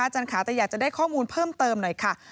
ค่ะแต่อยากจะได้ข้อมูลเพิ่มเติมหน่อยค่ะ